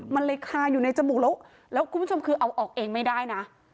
มันเลยคาอยู่ในจมูกแล้วแล้วคุณผู้ชมคือเอาออกเองไม่ได้นะ